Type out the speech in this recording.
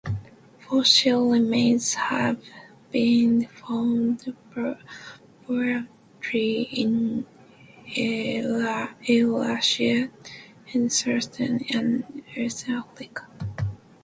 Fossil remains have been found broadly in Eurasia and southern and eastern Africa.